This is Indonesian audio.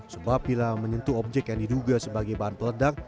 sebab bila menyentuh objek yang diduga sebagai bahan peledak